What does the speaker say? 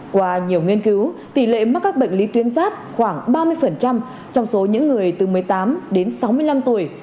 qua nhiều nghiên cứu tỷ lệ mắc các bệnh lý tuyến giáp khoảng ba mươi trong số những người từ một mươi tám đến sáu mươi năm tuổi